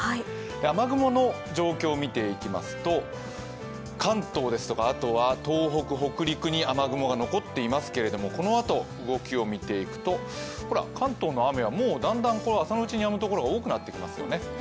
雨雲の状況見ていきますと関東ですとか東北、北陸に雨雲が残っていますけれども、このあとの動きを見ていくと関東の雨はだんだん朝のうちにやむところが多くなってきますよね。